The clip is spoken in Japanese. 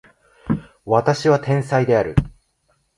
私は天才である